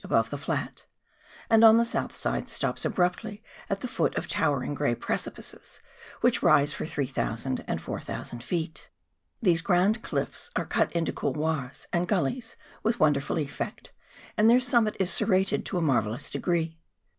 above the flat — and on the south side stops abruptly at the foot of towering grey precipices, which rise for 3,000 and 4,000 ft. These grand cliffs are cut into couloirs and gullies with wonderful effect, and their summit is serrated to a marvellous degree.